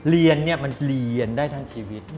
เรียนเนี่ยมันเรียนได้ทั้งชีวิต